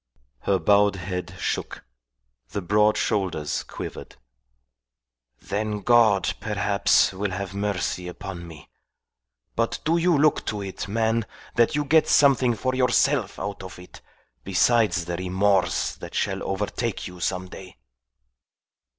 Her bowed head shook. The broad shoulders quivered. "Then God, perhaps, will have mercy upon me! But do you look to it, man, that you get something for yourself out of it, besides the remorse that shall overtake you some day."